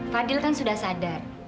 fadil kan sudah sadar